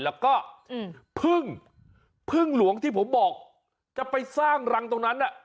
แล้วก็พึ่งพึ่งหลวงที่ผมบอกจะไปสร้างรังตรงนั้นน่ะ